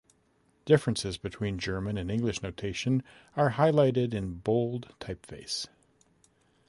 Differences between German and English notation are highlighted in bold typeface.